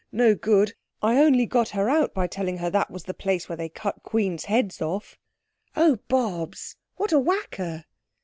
No good. I only got her out by telling her that was the place where they cut queens' heads off." "Oh, Bobs, what a whacker!"